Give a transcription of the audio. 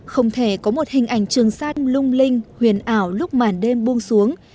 không thể có một hình ảnh trường sa lung linh huyền ảo lúc màn đêm buông xuống